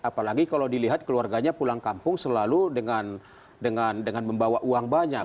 apalagi kalau dilihat keluarganya pulang kampung selalu dengan membawa uang banyak